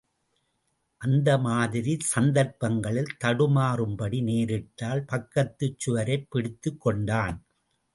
அந்தமாதிரிச் சந்தர்ப்பங்களில், தடுமாறும்படி நேரிட்டால் பக்கத்துச் சுவரைப் பிடித்துக் கொண்டான்.